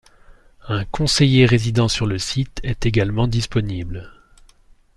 Un conseiller résidant sur le site est également disponible.